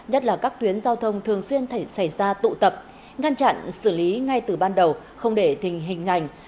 nhất là các tuyến giao thông thường xuyên xảy ra tụ tập ngăn chặn xử lý ngay từ ban đầu không để thình hình ảnh